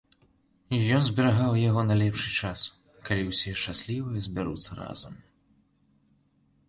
Ён зберагаў яго на лепшы час, калі ўсе, шчаслівыя, збяруцца разам.